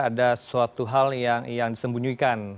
ada suatu hal yang disembunyikan